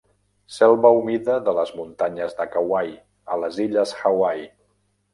Selva humida de les muntanyes de Kauai, a les illes Hawaii.